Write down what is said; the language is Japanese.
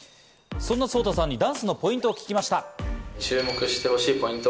そんなＳＯＴＡさんにダンスのポイントを聞きました。